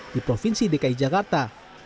di provinsi dki jakarta